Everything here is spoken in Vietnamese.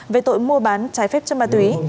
về tội mua bán trái phép chân ma túy